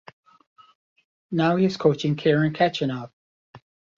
Now he is coaching Karen Khachanov.